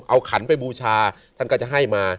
เอาขันไปบูชาท่านก็จะให้มา